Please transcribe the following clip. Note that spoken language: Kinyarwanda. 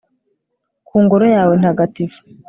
ku ngoro yawe ntagatifu